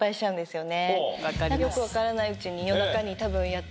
よく分からないうちに多分。